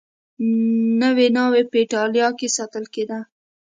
نوې ناوې په اېټالیا کې ساتل کېده.